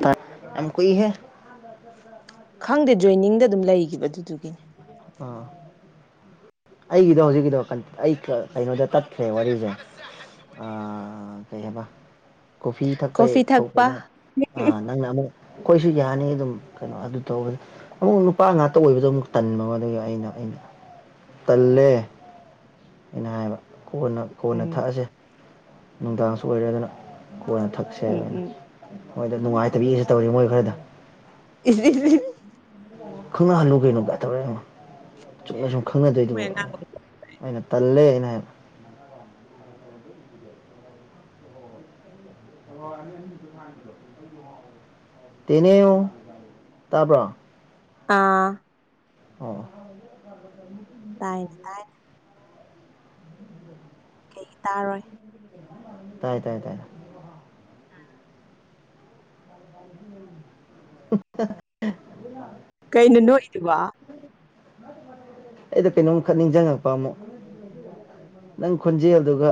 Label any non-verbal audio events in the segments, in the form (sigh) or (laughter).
ꯇꯥꯠ (unintelligible) ꯌꯥꯝ ꯀꯨꯏ ꯍꯦ ꯈꯪꯗꯦ ꯖꯣꯏꯅꯤꯡꯗ ꯑꯗꯨꯝ ꯂꯩꯈꯤꯕ ꯑꯗꯨꯗꯨꯒꯤꯅꯦ ꯑꯥ ꯑꯩꯒꯤꯗꯣ ꯍꯧꯖꯤꯛꯀꯤꯗꯣ ꯑꯩ ꯀꯩꯅꯣꯗ ꯇꯠꯈ꯭ꯔꯦ ꯋꯥꯔꯤꯁꯦ ꯑ ꯀꯩ ꯍꯥꯏꯕ ꯀꯣꯐꯤ ꯊꯛꯄꯩ ꯀꯣꯐꯤ ꯊꯛꯄ ꯊꯣꯛꯄꯗ ꯑꯥ ꯅꯪꯅ ꯑꯃꯨꯛ ꯑꯩꯈꯣꯏꯁꯨ ꯌꯥꯅꯤ ꯑꯗꯨꯝ ꯀꯩꯅꯣ ꯑꯗꯨ ꯇꯧꯕꯗꫭ ꯑꯃꯨꯛ ꯅꯨꯄꯥ ꯉꯥꯛꯇ ꯑꯣꯏꯕꯗꯣ ꯑꯃꯨꯛ ꯇꯟꯕ ꯑꯗꯨꯒ ꯑꯩꯅ ꯑꯩꯅ ꯇꯜꯂꯦ ꯑꯩꯅ ꯍꯥꯏꯕ ꯀꯣꯟꯅ ꯀꯣꯟꯅ ꯎꯝ ꯊꯛꯑꯁꯦ ꯅꯨꯡꯗꯥꯡꯁꯨ ꯑꯣꯏꯔꯒꯅꯥ ꯀꯣꯟꯅ ꯊꯛꯁꯦ ꯎꯝ ꯍꯥꯏꯕ ꯑꯩꯅꯥ ꯎꯝ ꯍꯣꯏꯗ ꯅꯨꯡꯉꯥꯏꯇꯕꯕꯤꯁꯨ ꯇꯧꯔꯤ ꯃꯣꯏ ꯈꯔꯗ (unintelligible) ꯈꯪꯅꯍꯜꯂꯨ ꯀꯩꯅꯣ ꯀ ꯇꯧꯔꯣꯛ ꯑꯦ ꯆꯨꯝꯅ ꯁꯨꯝ ꯃꯣꯏ ꯈꯪꯅꯗꯣꯏꯗꯨꯕꯨ ꯑꯉꯥꯡ ꯑꯩꯅ ꯇꯜꯂꯦ ꯍꯥꯏꯅ ꯍꯥꯏꯕ (unintelligible) ꯇꯅꯦꯋꯦ ꯇꯕꯔꫭ ꯑꯥ ꯑꯣ ꯇꯥꯏꯌꯦ ꯇꯥꯏꯌꯦ ꯀꯩꯩ ꯇꯥꯔꯣꯏ ꯇꯥꯏ ꯇꯥꯏ ꯇꯥꯏ (unintelligible) ꯀꯩꯩꯅꯅꯣ ꯏ ꯋꯥ ꯑꯩꯗꯣ ꯀꯩꯅꯣꯝꯈꯛ ꯅꯤꯡꯁꯤꯡꯉꯛꯄ ꯑꯃꯨꯛ ꯅꯪ ꯈꯣꯟꯖꯦꯜꯗꯨꯒ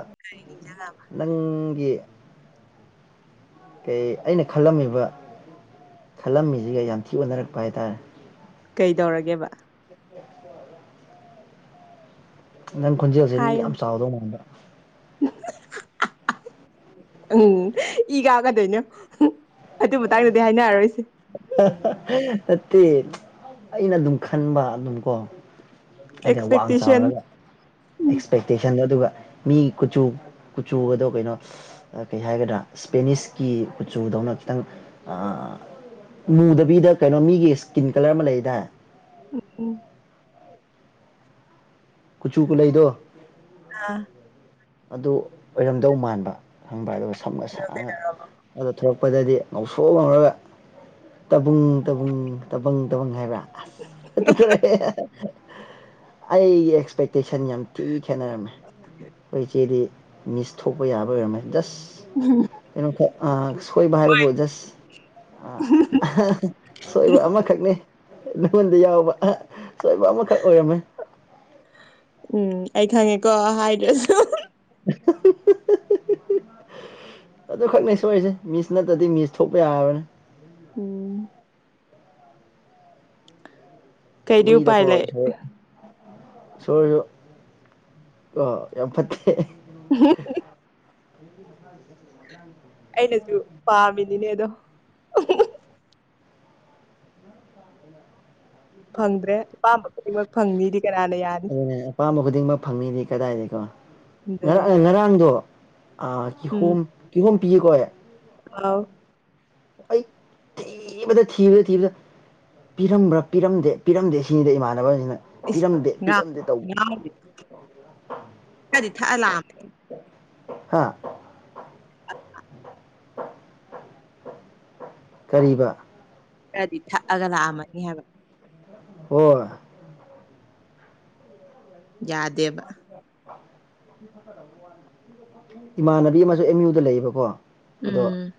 ꯅꯪꯒꯤ ꯀꯩ ꯑꯩꯅ ꯈꯜꯂꯝꯃꯤꯕ ꯈꯜꯂꯝꯃꯤꯁꯤꯒ ꯌꯥꯝ ꯊꯤ ꯑꯣꯟꯅꯔꯛꯄ ꯍꯥꯏꯇꯥꯔꯦ ꯀꯩꯗꫭꯔꯒꯦꯕ ꯅꯪ ꯈꯣꯟꯖꯦꯜꯁꯦ ꯃꯤ ꯌꯥꯝ ꯍꯥꯏꯌꯨꯅꯦ ꯆꯥꯎꯗꯧ ꯃꯥꯟꯕ ꯎꯝ ꯏ ꯀꯒꯗꯣꯏꯅꯣ ꯌꯦꯡꯑꫭ ꯑꯗꯨ ꯃꯇꯥꯡꯗꯗꯤ ꯍꯥꯏꯅꯔꯔꯣꯏꯁꯦ ꯅꯠꯇꯦ ꯑꯩꯅ ꯑꯗꯨꯝ ꯈꯟꯕ ꯑꯗꯨꯝ ꯀꯣ ꯍꯥꯏꯗꯤ ꯋꯥꯡ ꯑꯦꯛꯁꯄꯦꯛꯇꯦꯁꯟ ꯆꯥꯎꯔꯒ ꯑꯦꯛꯁꯄꯦꯛꯇꯦꯁꯟꯗꯣ ꯑꯗꯨꯒ ꯃꯤ ꯀꯨꯆꯨ ꯀꯨꯆꯨꯒꯗꯣ ꯀꯩꯅꯣ ꯑ ꯀꯩ ꯍꯥꯏꯒꯗ꯭ꯔꯥ ꯏꯁꯄꯦꯅꯤꯁꯀꯤ ꯀꯨꯆꯨꯗꯧꯅ ꯈꯤꯇꯪ ꯃꯨꯗꯕꯤꯗ ꯀꯩꯅꯣ ꯃꯤꯒꯤ ꯏꯁꯀꯤꯟ ꯀꯂꯔ ꯑꯃ ꯂꯩꯗ ꯎ ꯎꯝ ꯀꯨꯆꯨ ꯀꯨꯂꯩꯗꯣ ꯑ ꯑꯗꯨ ꯑꯣꯏꯔꯝꯗꯧ ꯃꯥꯟꯕ ꯈꯪꯕ꯭ꯔ ꯑꯗꯨꯒ ꯁꯝꯉ ꯁꯛꯑꯒ ꯑꯗꯨꯗ ꯊꯂꯛ ꯀꯄꯗꯗꯤ ꯉꯧꯁꯣꯛ ꯉꯧꯔꯒ ꯇꯕꯨꯡ ꯇꯕꯨꯡ ꯇꯕꯪ ꯇꯕꯪ ꯍꯥꯏꯕ꯭ꯔꯥ ꯑꯗꯨꯔꯦ ꯑꯩꯒꯤ ꯑꯦꯛꯁꯄꯦꯛꯇꯦꯁꯟ ꯌꯥꯝ ꯊꯤ ꯈꯦꯠꯅ꯭ꫪꯝꯃꯦ ꯑꯩꯈꯣꯏ ꯏꯆꯦꯗꯤ ꯃꯤꯁ ꯊꯣꯛꯄ ꯌꯥꯕ ꯑꯣꯏꯔꯝꯃꯦ ꯖꯁ ꯀꯩꯅꯣ ꯑ ꯁꯣꯏꯕ ꯍꯥꯏꯕꯕꯨ ꯖꯁ ꯑ ꯁꯣꯏꯕ ꯑꯃꯈꯛꯅꯤ ꯅꯉꯣꯟꯗ ꯌꯥꯎꯕ ꯁꯣꯏꯕ ꯑꯃꯈꯛ ꯑꯩꯔꯝꯃꯦ ꯎꯝ ꯑꯩ ꯈꯪꯉꯦꯀꯣ ꯍꯥꯏꯗ꯭ꯔꯁꯨ (inaudible) ꯑꯗꯨꯈꯛꯅꯦ ꯁꯣꯏꯔꯤꯁꯦ ꯃꯤꯁ ꯅꯠꯇ꯭ꯔꯗꯤ ꯃꯤꯁ ꯊꯣꯛꯄ ꯌꯥꯔꯕꯅꯦ ꯎꯝ ꯀꯩꯗꯤ ꯃꯣꯏꯗ ꯎꯄꯥꯏ ꯂꯩ ꯀꯣꯁ ꯏꯁꫭꯔꯖꯨ ꯀꫭ ꯌꯥꯝꯐꯠꯇꯦ ꯍ ꯃ ꯑꯩꯅꯁꯨ ꯄꯥꯝꯃꯤꯅꯤꯅꯦ ꯑꯗꯣ ꯑ ꯐꯪꯗ꯭ꯔꯦ ꯑꯄꯥꯝꯕ ꯈꯨꯗꯤꯡꯃꯛ ꯐꯪꯅꯤꯗꯤ ꯀꯔꯦ ꯑꯗꯨꯅꯦ ꯑꯄꯥꯝꯕ ꯈꯨꯗꯤꯡꯃꯛ ꯐꯪꯅꯤꯗꯤ ꯀꯗꯥꯏꯗꯒꯤꯀꯣ ꯑꯗꯨꯅꯦ ꯉꯔꯥꯡ ꯉꯔꯥꯡꯗꯣ ꯎꯝ ꯀꯤꯍꯣꯝ ꯀꯤꯍꯣꯝ ꯄꯤꯌꯦꯀꯣ ꯑꯩ ꯑꯥꯎ ꯑꯩ ꯊ ꯊꯕ ꯊꯕ ꯄꯤꯔꯝꯕ꯭ꯔꯥ ꯄꯤꯔꯝꯗꯦ ꯄꯤꯔꯝꯗꯦ ꯁꯤꯅꯤꯗ ꯏꯃꯥꯟꯅꯕꯁꯤꯅ ꯏꯁ‌ ꯉ ꯉꯥꯎꯗꯦ ꯈ꯭ꯔꯗꯤ ꯊꯛꯑꯒ ꯂꯥꯛ ꯑꯝꯃꯅꯤ ꯍꯥꯥ ꯀꯔꯤꯕ ꯈ꯭ꯔꯗꯤ ꯊꯛꯑꯒ ꯂꯥꯛꯑꯝꯃꯅꯤ ꯍꯥꯏꯕ ꯑꯣ ꯌꯥꯗꯦꯕ ꯏꯃꯥꯟꯅꯕꯤ ꯑꯃꯁꯨ ꯑꯦꯝ ꯌꯨꯗ ꯂꯩꯌꯦꯕꯀꯣ ꯑꯗꯣ ꯎꯝ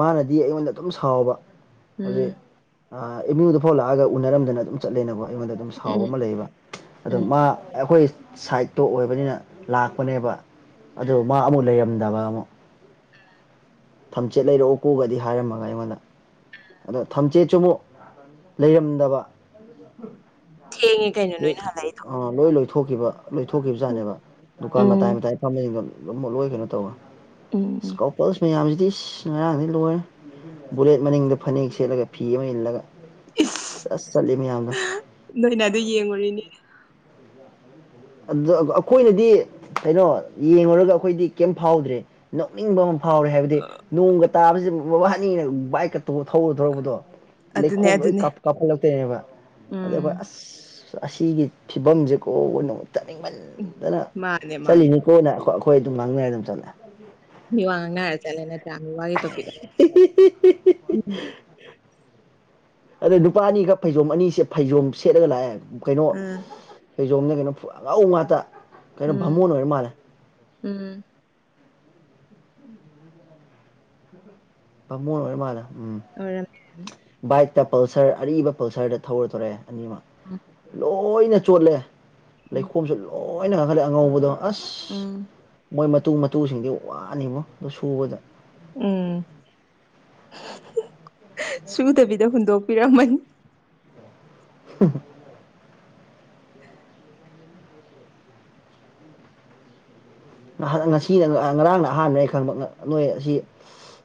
ꯃꯥꯅꯗꯤ ꯑꯩꯉꯣꯟꯗ ꯑꯗꯨꯝ ꯁꯥꯎꯕ ꯎꯝ ꯍꯧꯖꯤꯛ ꯑ ꯃꯤꯗ ꯐꯥꯎ ꯂꯥꯛꯑꯒ ꯎꯅꯔꯝꯗꯅ ꯑꯗꯨꯝ ꯆꯠꯂꯦꯅꯀꯣ ꯑꯩꯉꯣꯟꯗ ꯑꯗꯨꯝ ꯁꯥꯎꯕ ꯎꯝ ꯑꯃ ꯂꯩꯌꯦꯕ ꯑꯗꯣ ꯎꯝ ꯃꯥ ꯑꯩꯈꯣꯏ ꯁꯥꯏꯠ ꯇꯣ ꯑꯣꯏꯕꯅꯤꯅ ꯂꯥꯛꯄꯅꯦꯕ ꯑꯗꯨ ꯃꯥ ꯑꯃꯨꯛ ꯂꯩꯔꯝꯗꯕ ꯑꯃꯨꯛ ꯊꯝꯆꯦꯠ ꯂꯩꯔꯛꯎ ꯀꯣꯒꯗꯤ ꯍꯥꯏꯔꯝꯃꯒ ꯑꯩꯉꯣꯟꯗ ꯑꯗꯣ ꯊꯝꯆꯦꯠꯁꯨ ꯑꯃꯨꯛ ꯂꯩꯔꯝꯗꯕ ꯊꯦꯡꯉꯦ ꯀꯩꯅꯣ ꯎ ꯅꯣꯏꯅ ꯍꯜꯂꯛꯏꯗꯣ ꯑꯥ (unintelligible) ꯂꯣꯏ ꯂꯣꯏꯊꯣꯛꯈꯤꯕ ꯎꯝ ꯂꯣꯏꯊꯣꯛꯈꯤꯕꯖꯥꯅꯦꯕ ꯗꯨꯀꯥꯟ ꯃꯇꯥꯏ ꯎꯝ ꯃꯇꯥꯏ ꯐꯝꯃꯦꯕꯗꯣ ꯑꯗꯨ ꯂꯣꯏ ꯀꯩꯅꯣ ꯇꯧꯋꯦ ꯏꯁ ꯎꯝ ꯀꯄꯜꯁ ꯃꯌꯥꯝꯁꯤꯗꯤ ꯉꯔꯥꯡꯗꯤ ꯂꯣꯏꯔꯦ ꯕꯨꯂꯦꯠ ꯃꯅꯤꯡꯗ ꯐꯅꯦꯛ ꯁꯦꯠꯂꯒ ꯐꯤ ꯑꯃ ꯏꯜꯂꯒ ꯑꯁ ꯆꯠꯂꯤ ꯃꯌꯥꯝꯗꯣ ꯅꯣꯏꯅ ꯑꯗꯨ ꯌꯦꯡꯉꯨꯔꯤꯅꯤ ꯑꯗꯨ ꯑꯩꯈꯣꯏꯅꯗꯤ ꯀꯩꯅꯣ ꯌꯦꯡꯉꯨꯔꯒ ꯑꯩꯈꯣꯏꯗꯤ ꯀꯩꯝ ꯐꯥꯎꯗ꯭ꯔꯦ ꯅꯣꯛꯅꯤꯡꯕ ꯑꯃ ꯐꯥꯎꯔꯦ ꯍꯥꯏꯕꯗꯤ ꯑ, ꯅꯣꯡꯒ ꯇꯥꯕꯁꯤ ꯃꯕꯥꯅꯤꯅ ꯕꯥꯏꯛꯀ ꯇꯣꯉ ꯊꯧꯕꯨ ꯊꯧꯔꯛꯄꯗꯣ ꯑꯗꯨꯅꯦ ꯂꯩꯈꯣꯝ ꯂꯣꯏ ꯑꯗꯨꯅꯦ ꯀꯥꯞ ꯀꯥꯞꯈꯠꯂꯛꯇꯣꯏꯅꯦꯕ ꯑꯗꯩ ꯎꯝ ꯑꯩꯈꯣꯏ ꯑꯁ ꯑꯁꯤꯒꯤ ꯐꯤꯕꯝꯁꯦ ꯀꯣ ꯑꯣꯏꯅ ꯎꯝ ꯆꯠꯅꯤꯡꯃꯟꯗꯅ ꯃꯥꯅꯦ ꯃꯥꯅꯦ ꯆꯠꯂꯤꯅꯤꯀꯣꯅ ꯑꯩꯈꯣꯏ ꯑꯩꯈꯣꯏ ꯑꯗꯨꯝ ꯉꯥꯡꯅꯔ ꯑꯗꯨꯝ ꯆꯠꯂꯦ ꯃꯤ ꯋꯥ ꯉꯥꯡꯅꯔ ꯆꯠꯂꯦ ꯅꯠꯇ꯭ꯔꯥ ꯃꯤ ꯋꯥꯒꯤ ꯇꯣꯄꯤꯛ ꯑꯃ ꯎꯝ (inaudible) ꯑꯗ ꯅꯨꯄꯥ ꯑꯅꯤꯈꯛ ꯐꯩꯖꯣꯝ ꯑꯅꯤꯁꯦ ꯐꯩꯖꯣꯝ ꯁꯦꯠꯂꯒ ꯂꯥꯛꯑꯦ ꯀꯩꯅꯣ ꯑꯥ ꯐꯩꯖꯣꯝꯂ ꯀꯩꯅꯣ ꯑꯉꯧ ꯉꯥꯛꯇ ꯀꯩꯅꯣ ꯎꯝ ꯚꯥꯃꯣꯟ ꯑꯣꯏꯔ ꯃꯥꯜꯂꯦ ꯎꯝ ꯕꯥꯃꯣꯟ ꯑꯣꯏꯔ ꯃꯥꯂꯦ ꯑꯣꯏꯔꯝꯅꯤ ꯕꯥꯏꯛꯇ ꯄꯜꯁꯔ ꯑꯔꯤꯕ ꯄꯜꯁꯔꯗ ꯊꯧꯔ ꯊꯣꯔꯛꯑꯦ ꯑꯅꯤꯃꯛ ꯎꯝ ꯂꯣꯏꯅ ꯆꯣꯠꯂꯦ ꯎꯝ ꯂꯩꯈꯣꯝꯁꯨ ꯂꯣꯏꯅ ꯀꯥꯈꯠꯂꯦ ꯑꯉꯧꯕꯗꯣ ꯑꯁ ꯎꯝ ꯃꯣꯏ ꯃꯇꯨ ꯃꯇꯨꯁꯤꯡꯗꯨ ꯋꯥꯅꯤꯕꯣ ꯑꯗꯨ ꯁꯨꯕꯗ ꯎꯝ ꯁꯨꯗꯕꯤꯗ ꯍꯨꯟꯗꯣꯛꯄꯤꯔꯝꯃꯅꯤ (unintelligible) ꯉꯁꯤꯅ ꯉꯔꯥꯡꯅ ꯑꯍꯥꯟꯕꯅꯦ ꯑꯩ ꯈꯪꯕ ꯅꯣꯏ ꯑꯁꯤ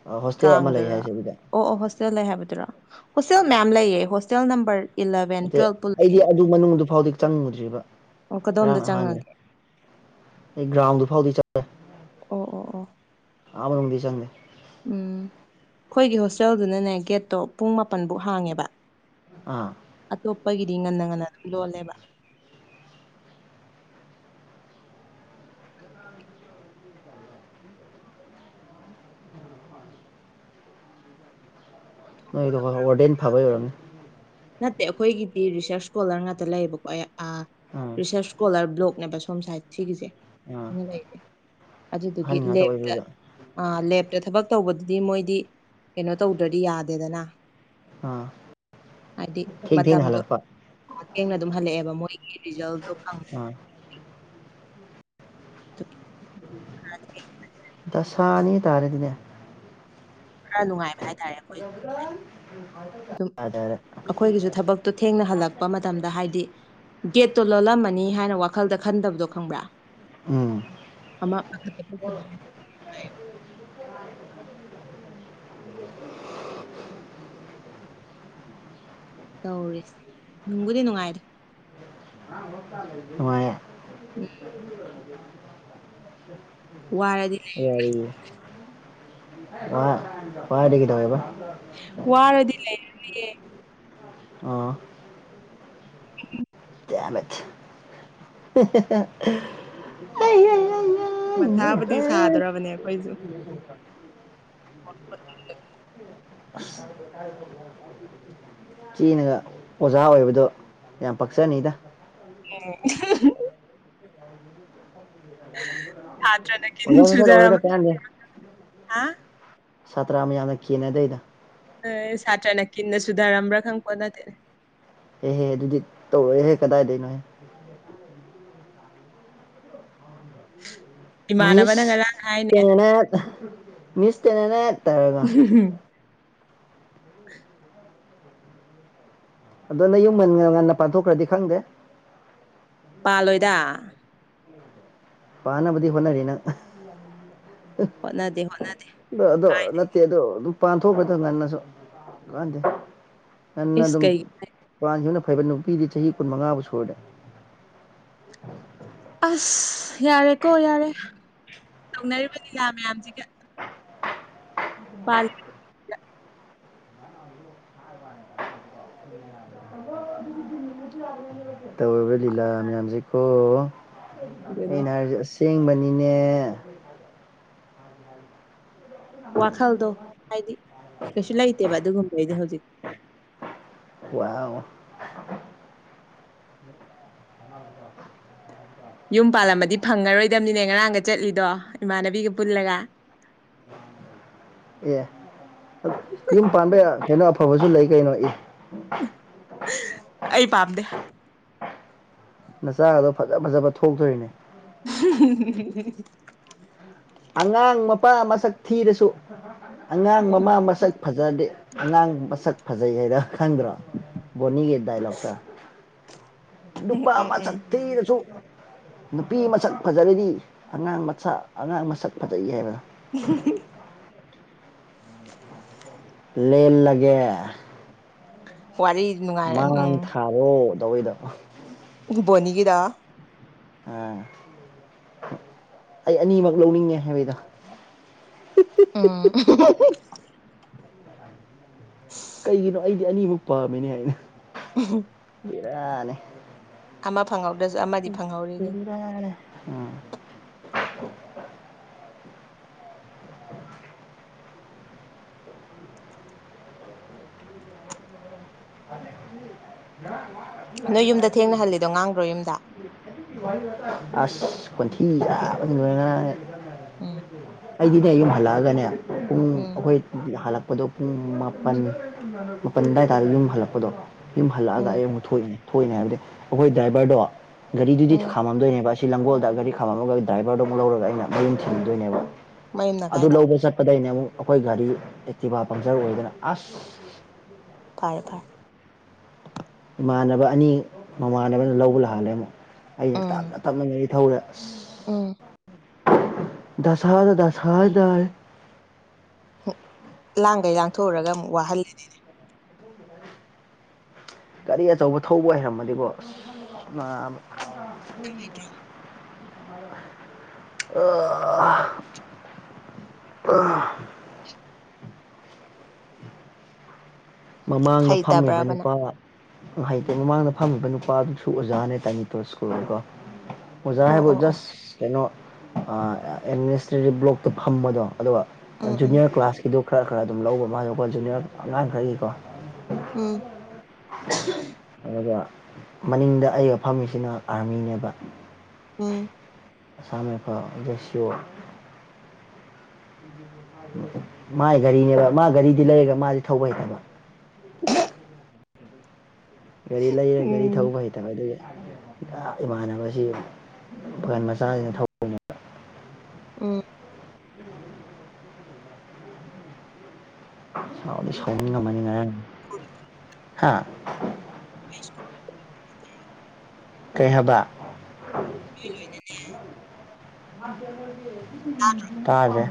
ꯍꯣꯁꯇꯦꯜ ꯑꯃ ꯂꯩ ꯀꯥꯡꯗꯨꯔꯥ ꯍꯥꯏꯁꯦ ꯑꯗꯨꯗ ꯑꯣ ꯑꯣ ꯍꯣꯁꯇꯦꯜ ꯂꯩ ꯍꯥꯏꯕꯗꯨꯔ ꯍꯣꯁꯇꯦꯜ ꯃꯌꯥꯝ ꯂꯩꯌꯦ ꯍꯣꯁꯇꯦꯜ ꯅꯝꯕꯔ ꯏꯂꯚꯦꯟ ꯅꯠꯇꯦ ꯇꯨꯋꯦꯜꯞ ꯄꯨ ꯂꯩ ꯑꯩꯗꯤ ꯅꯨꯄꯤ ꯑꯗꯨ ꯃꯅꯨꯡꯗꯨ ꯐꯥꯎꯗꯤ ꯆꯪꯉꯨꯗ꯭ꯔꯤꯕ ꯑꯣ ꯀꯗꯣꯝꯗ ꯉꯔꯥꯡ ꯅꯍꯥꯟꯕꯅꯦ ꯆꯪꯉꯒꯦ ꯑꯩ ꯒ꯭ꯔꯥꯎꯟꯗꯨ ꯐꯥꯎꯗꯤ ꯆꯠꯂꯦ ꯑꯣ ꯑꯣ ꯑꯣ ꯑꯥ ꯃꯅꯨꯡꯗꯤ ꯆꯪꯉꯦ ꯎꯝ ꯑꯈꯣꯏꯒꯤ ꯍꯣꯁꯇꯦꯜꯗꯨꯅꯅꯦ ꯒꯦꯠꯇꯣ ꯄꯨꯡ ꯃꯥꯄꯟꯐꯧ ꯍꯥꯡꯉꯦꯕ ꯑꯥ ꯑꯇꯣꯞꯄꯒꯤꯗꯤ ꯉꯟꯅ ꯉꯟꯅ ꯑꯗꯨꯝ ꯂꯣꯜꯂꯦꯕ ꯅꯣꯏꯗꯣ ꯋꯔꯗꯦꯟ ꯐꯕꯩ ꯑꯣꯏꯔꯝꯅꯤ ꯅꯠꯇꯦ ꯑꯩꯈꯣꯏꯒꯤꯗꯤ ꯔꯤꯁꯔꯁ ꯏꯁꯀꯣꯂꯔ ꯉꯥꯛꯇ ꯂꯩꯌꯦꯕꯀꯣ ꯑꯥ ꯔꯤꯁꯔꯁ ꯏꯁꯀꯣꯂꯔ ꯕ꯭ꯂꯣꯛꯅꯦꯕ ꯁꯣꯝ ꯁꯥꯏꯠ ꯁꯤꯒꯤꯁꯦ ꯑꯥ ꯑꯩꯈꯣꯢ ꯂꯩꯁꯦ ꯑꯗꯨꯗꯨꯒꯤ ꯑꯍꯟ ꯉꯥꯛꯇ ꯂꯦꯞꯇ ꯑꯣꯏꯕꯗꯨꯗ ꯑ ꯂꯦꯞꯇ ꯊꯕꯛ ꯇꯧꯕꯗꯨꯗꯤ ꯃꯣꯏꯗꯤ ꯀꯩꯅꯣ ꯇꯧꯗ꯭ꯔꯗꯤ ꯌꯥꯗꯦꯗꯅ ꯑꯥ ꯍꯥꯏꯗꯤ ꯊꯦꯡ ꯊꯦꯡꯅ ꯃꯇꯝꯗꯣ ꯍꯜꯂꯛꯄ ꯥꯊꯦꯡꯅ ꯑꯗꯨꯝ ꯍꯜꯂꯛꯑꯦꯕ ꯃꯣꯏꯒꯤ ꯔꯤꯖꯜꯗꯣ ꯈꯪ ꯑꯥ ꯑꯗꯨ ꯗꯁꯥꯅꯤ ꯇꯥꯔꯦꯅꯦ ꯑꯗꯨꯗꯦ ꯈꯔ ꯅꯨꯡꯉꯥꯏ ꯍꯥꯏꯇꯥꯔꯦ ꯑꯩꯈꯣꯏ ꯑꯗꯨꯝ ꯇꯥꯔꯦ ꯑꯩꯈꯣꯏꯒꯤꯁꯨ ꯊꯕꯛꯇꯣ ꯊꯦꯡꯅ ꯍꯜꯂꯛꯄ ꯃꯠ ꯃꯇꯝꯗ ꯍꯥꯏꯗꯤ ꯒꯦꯠꯇꯣ ꯂꯣꯜꯂꯝꯃꯅꯤ ꯍꯥꯏꯅ ꯋꯥꯈꯜꯗ ꯈꯟꯗꯕꯗꯣ ꯈꯪꯕ꯭ꯔꯥ ꯎꯝ ꯑꯃ ꯄꯥꯈꯠꯄ (unintelligible) ꯇꯧꯔꯤꯁꯤ ꯅꯨꯡꯕꯨꯗꯤ ꯅꯨꯡꯉꯥꯏ ꯅꯨꯉꯥꯢꯌꯦ ꯎꯝ ꯋꯥꯔꯗꯤ ꯑꯩ ꯋꯥꯔꯦ ꯍꯥ ꯋꯥꯔꯗꯤ ꯀꯩꯗꯧꯋꯦꯕ ꯋꯥꯔꯗꯤ ꯂꯩ (unintelligible) ꯑꯥ (unintelligible) ꯗꯦꯃꯤꯠ (unintelligible) ꯃꯊꯥꯕꯨꯗꯤ ꯁꯥꯗ꯭ꯣꯔꯕꯅꯦ ꯑꯈꯣꯏꯖꯨ (unintelligible) ꯑꯁ ꯆꯦꯅꯒ ꯑꯣꯖꯥ ꯑꯣꯏꯕꯗꯣ ꯌꯥꯝ ꯄꯛꯆꯅꯤꯗ ꯎꯝ (unintelligible) (unintelligible) ꯑꯣꯖꯥ ꯁꯥꯠ ꯁꯥꯠ ꯑꯣꯏꯔꯣꯗ ꯁꯨꯙꯔꯝꯃ ꯀꯥꯟꯗꯦ ꯍꯥ ꯁꯥꯇ꯭ꯔꯥ ꯃꯌꯥꯝꯅ ꯀꯦꯅꯥ ꯗꯣꯏꯗꯣ ꯁꯥꯇ꯭ꯔꯅ ꯀꯤꯟꯅ ꯁꯨꯙꯔꯝꯕ꯭ꯔꯥ ꯈꯪꯄꯣꯠ ꯅꯠꯇꯦꯅꯦ ꯑꯦꯍꯦ ꯑꯗꯨꯗꯤ ꯇꯧꯔꯣꯏꯍꯦ ꯀꯗꯥꯏꯗꯩꯅꯣꯍꯦ (inaudible) ꯏꯃꯥꯟꯅꯕꯅ ꯃꯤꯁ ꯉꯔꯥꯡ ꯍꯥꯏꯅꯦ ꯇꯦꯟꯅꯦꯅꯦ ꯃꯤꯁ ꯇꯦꯟꯅꯦꯅꯦ ꯇꯧꯔꯒ ꯎꯝꯍꯝ ꯑꯗꯣ ꯅꯌꯨꯝ ꯉꯟꯅ ꯉꯟꯅ ꯄꯥꯟꯊꯣꯛꯈ꯭ꯔꯗꯤ ꯈꯪꯗꯦ ꯄꯥꯜꯂꯣꯏꯗ ꯄꯥꯟꯅꯕꯗꯤ ꯍꯣꯠꯅꯔꯤ ꯅꯪ ꯍꯣꯠꯅꯗꯦ ꯍꯣꯠꯅꯗꯦ ꯑꯗ ꯑꯗꯣ ꯅꯠꯇꯦ ꯑꯗꯣ ꯄꯥꯟꯊꯣꯛꯈꯔꯣꯗ ꯉꯟꯅꯁꯨ ꯀꯥꯟꯗꯦ ꯉꯟꯅ ꯏꯁ ꯑꯗꯨꯝ ꯀꯩꯒꯤ ꯄꯥꯟꯒꯤꯕꯅ ꯐꯩꯕ ꯅꯨꯄꯤꯗꯤ ꯆꯍꯤ ꯀꯨꯟꯃꯉꯥꯕꯨ ꯁꯨꯔꯗꯤ ꯑꯁ ꯌꯥꯔꯦꯀꯣ ꯌꯥꯔꯦ ꯇꯧꯅꯔꯤꯕ ꯂꯤꯂꯥ ꯃꯌꯥꯝꯁꯤꯒ ꯄꯜ ꯇꯧꯔꯤꯕ ꯂꯤꯂꯥ ꯃꯌꯥꯝꯖꯦ ꯀꯣ ꯑꯗꯨꯅꯦ ꯑꯩꯅ ꯍꯥꯏꯔꯤꯖꯦ ꯑꯁ ꯆꯦꯡꯕꯅꯤꯅꯦ ꯋꯥꯈꯜꯗꯣ ꯍꯥꯏꯗꯤ ꯀꯩꯁꯨ ꯂꯩꯇꯦꯕ ꯑꯗꯨꯒꯨꯝꯕꯩꯗꯤ ꯍꯧꯖꯤꯛ ꯋꯥꯎ ꯌꯨꯝ ꯄꯥꯜꯂꯝꯃꯗꯤ ꯐꯪꯉꯔꯣꯏꯗꯕꯅꯤꯅꯦ ꯉꯔꯥꯡꯒ ꯆꯠꯂꯤꯗꯣ ꯏꯃꯥꯟꯅꯕꯤꯒ ꯄꯨꯜꯂꯒ ꯑꯦ ꯌꯨꯝ ꯄꯥꯟꯕ ꯀꯩꯅꯣ ꯑꯐꯕꯁꯨ ꯂꯩ ꯀꯩꯅꯣ ꯑꯦ ꯑꯩ ꯄꯥꯝꯗꯦ ꯅꯆꯥ ꯒꯗꯣ ꯐꯖ ꯐꯖꯕ ꯊꯣꯛꯇꯣꯔꯤꯅꯦ (unintelligible) ꯑꯉꯥꯡ ꯃꯄꯥ ꯃꯁꯛ ꯊꯤꯔꯁꯨ ꯑꯉꯥꯡ ꯃꯃꯥ ꯃꯁꯛ ꯐꯖꯗꯦ ꯑꯉꯥꯡ ꯃꯁꯛ ꯐꯖꯩ ꯍꯥꯏꯗꯣ ꯈꯪꯗ꯭ꯔꯣ ꯕꯣꯅꯤꯒꯤ ꯗꯥꯏꯂꯣꯛꯇꯣ ꯎꯝ ꯅꯨꯄꯥ ꯎꯝ ꯎꯝ ꯃꯁꯛ ꯊꯤꯔꯁꯨ ꯅꯨꯄꯤ ꯃꯁꯛ ꯐꯖꯔꯗꯤ ꯑꯉꯥꯡ ꯃꯁꯥ ꯑꯉꯥꯡ ꯃꯁꯛ ꯐꯖꯩ ꯍꯥꯏꯕ (unintelligible) ꯂꯦꯜꯂꯒꯦ ꯋꯥꯔꯤ ꯅꯨꯡꯉꯥꯏꯔ ꯃꯥꯡ ꯎꯝ ꯊꯥꯔꯣ ꯗꯧꯋꯤꯗꯣ ꯕꯣꯅꯤꯒꯤꯗꯣ ꯑꯥ ꯑꯩ ꯑꯅꯤꯃꯛ ꯂꯧꯅꯤꯡꯉꯦ ꯍꯥꯏꯕꯩꯗꯣ (unintelligible) ꯀꯩꯒꯤꯅꯣ ꯑꯩꯗꯤ ꯑꯅꯤꯃꯨꯛ ꯄꯥꯝꯃꯤꯅꯦ ꯍꯥꯏꯅ (unintelligible) ꯕꯦꯔꯅꯦ ꯑꯃ ꯐꯪꯍꯧꯗ꯭ꯔꯁꯨ ꯑꯃꯗꯤ ꯐꯪꯍꯧꯔꯤ ꯑꯗꯨꯅꯤ ꯃꯥꯅꯤ (unintelligible) (unintelligible) ꯅꯣꯏ ꯌꯨꯝꯗ ꯊꯦꯡꯅꯍꯜꯂꯤꯗꯣ ꯉꯥꯡꯗ꯭ꯔꯣ ꯌꯨꯝꯗ ꯑꯁ ꯈꯟꯊꯤ ꯆꯥꯕꯗ ꯂꯣꯏꯔꯦ ꯉꯥꯔꯥꯡꯗꯤ ꯎꯝ ꯑꯩꯗꯤꯅꯦ ꯌꯨꯝ ꯍꯜꯂꯛꯑꯒꯅꯦ ꯄꯨꯡ ꯎꯝ ꯑꯩꯈꯣꯏ ꯍꯜꯂꯛꯄꯗꯣ ꯄꯨꯡ ꯃꯥꯄꯟ ꯃꯥꯄꯜ ꯑꯗꯨꯋꯥꯏ ꯇꯥꯔ ꯌꯨꯝ ꯍꯜꯂꯛꯄꯗꯣ ꯌꯨꯝ ꯍꯜꯂꯛꯑꯒ ꯎꯝ ꯑꯩ ꯑꯃꯨꯛ ꯊꯣꯛꯏꯅꯦ ꯊꯣꯛꯏꯅꯦ ꯍꯥꯏꯕꯗꯤ ꯑꯩꯈꯣꯏ ꯗ꯭ꯔꯥꯏꯚꯔꯗꯣ ꯒꯥꯔꯤꯗꯨꯗꯤ ꯎꯝ ꯊꯛ ꯈꯥꯝꯃꯝꯗꯣꯏꯅꯦꯕ ꯁꯤ ꯂꯪꯒꯣꯜꯗ ꯒꯥꯔꯤ ꯈꯥꯝꯃꯒ ꯗ꯭ꯔꯥꯏꯕꯔꯗꯣ ꯑꯃꯨꯛ ꯂꯧꯔꯒ ꯑꯩꯅ ꯃꯌꯨꯝ ꯊꯤꯟꯅꯗꯣꯏꯅꯦꯕ ꯃꯌꯨꯝꯅ ꯑꯗꯨ ꯀꯥꯏꯗ ꯂꯧꯕ ꯆꯠꯄꯗꯩꯅꯦ ꯑꯃꯨꯛ ꯑꯩꯈꯣꯏ ꯒꯥꯔꯤ ꯑꯦꯛꯇꯤꯚꯥ ꯄꯪꯆꯔ ꯑꯣꯏꯗꯅ ꯑꯁ ꯐꯔ ꯐꯔ ꯏꯃꯥꯟꯅꯕ ꯑꯅꯤ ꯃꯃꯥꯟꯅꯕꯅ ꯂꯧꯕ ꯂꯥꯜꯂꯦ ꯑꯃꯨꯛ ꯑꯩꯅ ꯎꯝ ꯇꯞꯅ ꯇꯞꯅ ꯉ ꯅꯤꯡꯊꯧꯗ ꯑꯁ ꯎꯝ ꯗꯁꯥꯅꯤ ꯗꯁꯥ ꯍꯥꯏꯇꯥꯔꯦ ꯂꯥꯡꯈꯩ ꯂꯥꯡꯊꯣꯛꯎꯔꯒ ꯑꯃꯨꯛ ꯋꯥꯍꯜꯂ ꯒꯥꯔꯤ ꯑꯆꯧꯕ ꯊꯧꯕ ꯑꯣꯏꯔꯝꯃꯗꯤꯕꯣ ꯑ ꯑ ꯑ ꯃꯃꯥꯡꯗ ꯐꯝꯃꯤꯕ ꯍꯩꯇꯕ꯭ꯔꯕ ꯅꯪ ꯅꯨꯄꯥ ꯍꯩꯇꯦ ꯃꯃꯥꯡꯗ ꯐꯝꯃꯤꯕ ꯅꯨꯄꯥꯗꯨꯁꯨ ꯑꯣꯖꯥꯅꯦ ꯇꯥꯏꯅꯤꯇꯣ ꯁ꯭ꯀꯨꯜꯗꯀꯣ ꯑꯣꯖꯥ ꯑꯣ ꯍꯥꯏꯕꯨ ꯑꯣ ꯑꯣ ꯖꯁ ꯀꯩꯅꯣ ꯑ ꯑꯦꯗꯃꯤꯅꯤꯁꯇ꯭ꯔꯦꯁꯟ ꯕ꯭ꯂꯣꯛꯇ ꯐꯝꯕꯗꯣ ꯑꯗꯨꯒ ꯎꯝ ꯎꯝ ꯖꯨꯅꯤꯌꯔ ꯀ꯭ꯂꯥꯁꯀꯤꯗꯣ ꯈꯔ ꯈꯔ ꯑꯗꯨꯝ ꯂꯧꯕ ꯃꯥꯅꯦꯀꯣ ꯖꯨꯅꯤꯌꯔ ꯑꯉꯥꯡ ꯈꯔꯒꯤꯀꯣ ꯎꯝ ꯑꯗꯨꯒ ꯃꯅꯤꯡꯗ ꯑꯩꯒ ꯐꯝꯃꯤꯁꯤꯅ ꯑꯥꯔꯃꯤꯅꯦꯕ ꯎꯝ ꯑꯁꯝ ꯔꯥꯏꯐꯜ (unintelligible) (unintelligible) ꯃꯥꯥꯏ ꯘꯔꯤꯅꯦꯕ ꯃꯥ ꯘꯔꯤꯗꯤ ꯂꯩꯔꯒ ꯃꯥꯗꯤ ꯊꯧꯕ ꯍꯩꯇꯕ (unintelligible) ꯒꯥꯔꯤ ꯂꯩꯔ ꯒꯥꯔꯤ ꯎꯝ ꯊꯧꯕ ꯍꯩꯇꯕ ꯑꯗꯨꯒꯤ (unintelligible) ꯏꯃꯥꯟꯅꯕꯁꯤ ꯃꯆꯥꯁꯤꯡꯅ ꯊꯧ ꯎꯝ ꯁꯥꯎꯗꯤ ꯁꯥꯎꯅꯤꯡꯉꯝꯃꯅꯤ ꯉꯔꯥꯡꯗꯤ (unintelligible) ꯍꯥꯥ (unintelligible) ꯀꯩ ꯍꯥꯏꯕ ꯃꯤꯑꯣ ꯂꯣꯏꯅꯅ ꯇꯥꯖꯦ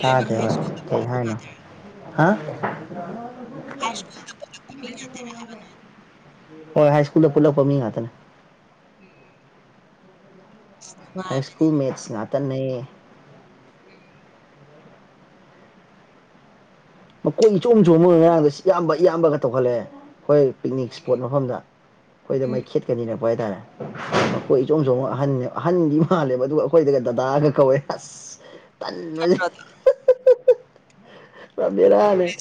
ꯇꯥꯖꯦ ꯍꯥ ꯀꯩ ꯍꯥꯏꯅꯣ ꯍꯥ (unintelligible) ꯍꯣꯏ ꯍꯥꯏ ꯁ꯭ꯀꯨꯜꯗ ꯄꯨꯂꯛꯄ ꯃꯤ ꯉꯥꯛꯇꯅꯦ ꯅꯨꯡꯉꯥꯏ ꯍꯥꯏ ꯁ꯭ꯀꯨꯜ ꯃꯦꯠꯁ ꯉꯥꯛꯇꯅꯩ ꯃꯈꯣꯏ ꯏꯆꯣꯡ ꯑꯃ ꯆꯣꯡ ꯑꯃꯒ ꯉꯔꯥꯡꯗ ꯏꯌꯥꯝꯕ ꯏꯌꯥꯝꯕꯒ ꯇꯧꯜꯂꯦ ꯍꯣꯏ ꯄꯤꯛꯅꯤꯛ ꯏꯁꯄꯣꯠ ꯃꯐꯝꯗ ꯑꯩꯈꯣꯏꯗ ꯎꯝ ꯃꯩ ꯈꯦꯠꯀꯅꯤꯔꯛꯄ ꯍꯥꯏꯇꯥꯔꯦ ꯑꯩꯈꯣꯏ ꯏꯆꯣꯝ ꯆꯣꯡꯝ ꯑꯍꯟꯅꯕ ꯑꯍꯟꯗꯤ ꯃꯥꯜꯂꯦꯕ ꯑꯗꯨꯒ ꯑꯩꯈꯣꯏꯗꯒ ꯗꯗꯥꯒ ꯀꯧꯋꯦ ꯑꯁ (unintelligible) ꯇꯜꯕꯁꯤ ꯐꯠꯇ꯭ꯔꯣ ꯄꯨꯔꯥ ꯚꯦꯔꯥꯅꯦ